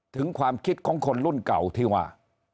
ถึงความคิดของคนรุ่นเก่าที่ว่า